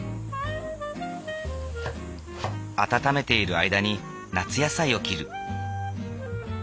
温めている間に夏野菜を切る。